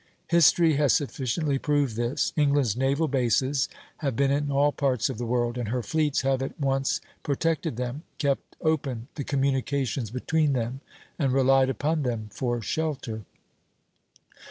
History has sufficiently proved this. England's naval bases have been in all parts of the world; and her fleets have at once protected them, kept open the communications between them, and relied upon them for shelter.